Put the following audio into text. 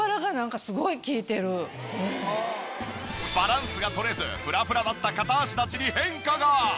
バランスが取れずフラフラだった片足立ちに変化が！